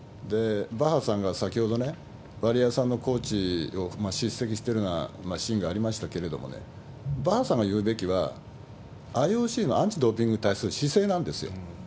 バッハさんが先ほどね、ワリエワさんのコーチをしっ責してるようなシーンがありましたけれどもね、バッハさんが言うべきは、ＩＯＣのアンチドーピングに対する姿勢なんですよ。